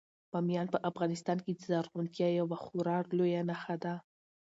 بامیان په افغانستان کې د زرغونتیا یوه خورا لویه نښه ده.